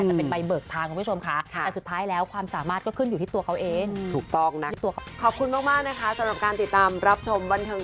จะเป็นใบเบิกทางคุณผู้ชมค่ะแต่สุดท้ายแล้วความสามารถก็ขึ้นอยู่ที่ตัวเขาเองถูกต้องนะคะ